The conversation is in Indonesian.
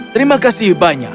terima kasih banyak